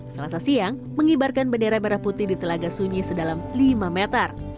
selasa siang mengibarkan bendera merah putih di telaga sunyi sedalam lima meter